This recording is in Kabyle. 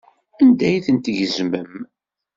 Anda ay ten-tgezmem?